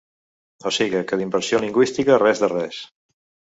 O siga que d’immersió lingüística, res de res.